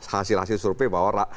hasil hasil survei bahwa